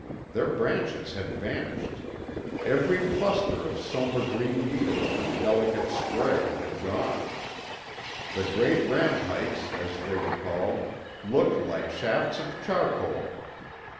Their branches had vanished; every cluster of sombre green needles and delicate spray had gone; the great rampikes, as they are called, looked like shafts of charcoal.